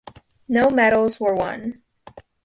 No medals were won.